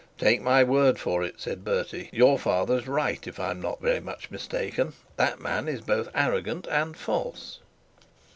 'Take my word for it,' said Bertie, 'your father is right. If I am not very much mistaken, that man is both arrogant and false.'